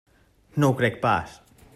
No ho crec pas.